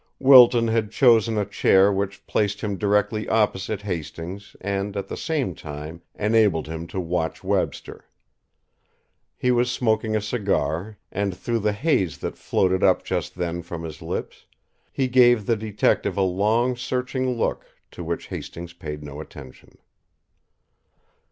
Wilton had chosen a chair which placed him directly opposite Hastings and at the same time enabled him to watch Webster. He was smoking a cigar, and, through the haze that floated up just then from his lips, he gave the detective a long, searching look, to which Hastings paid no attention.